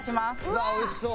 うわっ美味しそう！